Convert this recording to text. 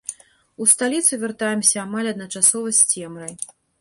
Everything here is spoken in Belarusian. У сталіцу вяртаемся амаль адначасова з цемрай.